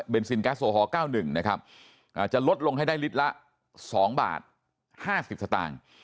เป็นซินแก๊สโอฮอล๙๑นะครับจะลดลงให้ได้ลิตรละ๒บาท๕๐สตางค์